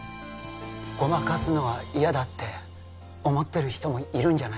ごまかすのは嫌だって思ってる人もいるんじゃない？